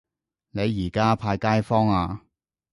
你而家派街坊呀